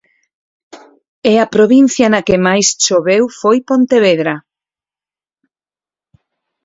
E a provincia na que máis choveu foi Pontevedra.